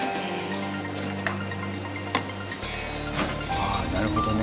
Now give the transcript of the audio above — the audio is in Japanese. ああなるほどね。